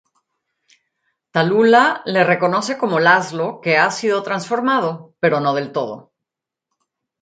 Tallulah le reconoce como Laszlo que ha sido transformado, pero no del todo.